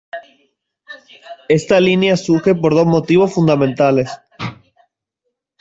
Esta línea surge por dos motivos fundamentales.